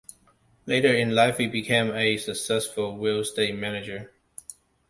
Later in life he became a successful real estate manager.